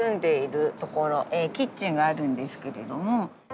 キッチンがあるんですけれども。